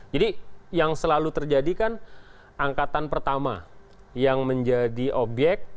jadi yang selalu terjadi kan angkatan pertama yang menjadi obyek